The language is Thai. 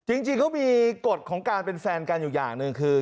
จริงเขามีกฎของการเป็นแฟนกันอยู่อย่างหนึ่งคือ